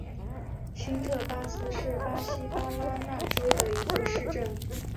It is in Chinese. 新特巴斯是巴西巴拉那州的一个市镇。